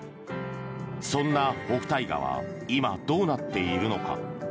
そんな北戴河は今、どうなっているのか。